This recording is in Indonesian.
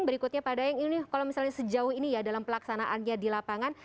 berikutnya pak daeng ini kalau misalnya sejauh ini ya dalam pelaksanaannya di lapangan